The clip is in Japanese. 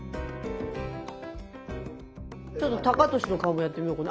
ちょっとタカトシの顔もやってみようかな。